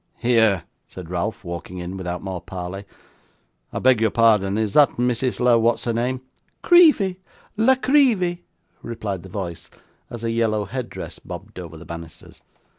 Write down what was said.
'Here,' said Ralph, walking in without more parley, 'I beg your pardon; is that Mrs. La what's her name?' 'Creevy La Creevy,' replied the voice, as a yellow headdress bobbed over the banisters.